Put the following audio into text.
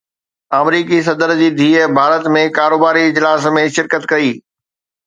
آمريڪي صدر جي ڌيءَ ڀارت ۾ ڪاروباري اجلاس ۾ شرڪت ڪئي